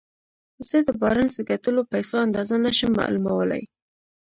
زه د بارنس د ګټلو پيسو اندازه نه شم معلومولای.